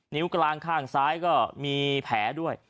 นิ้วกลางข้างซ้ายก็มีแผลด้วย